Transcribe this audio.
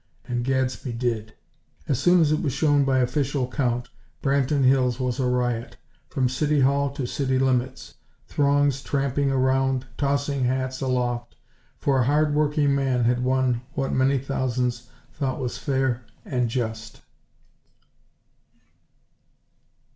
And Gadsby did! As soon as it was shown by official count, Branton Hills was a riot, from City Hall to City limits; throngs tramping around, tossing hats aloft; for a hard working man had won what many thousands thought was fair and just.